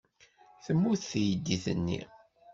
Temmut teydit-nni.